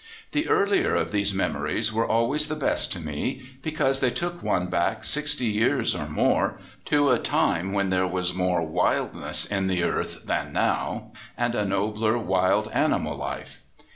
The earlier of these memories were always the best to me, because they took one back sixty years or more, to a time when there was more wildness in the earth than now, and a nobler wild animal life.